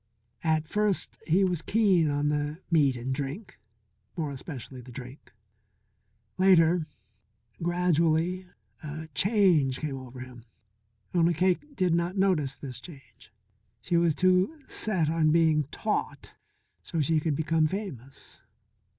At first he was keen on the meat and drink more especially the drink. Later, gradually, a change came over him. Only Cake did not notice this change. She was too set on being taught so she could become famous.